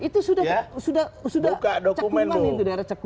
itu sudah cek kuman itu daerah cek kuman